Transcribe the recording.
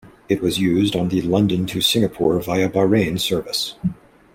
It was used on the London to Singapore via Bahrain service.